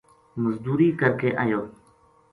مزدوری کر کے آیو